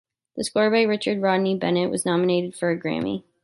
The score by Richard Rodney Bennett was nominated for a Grammy.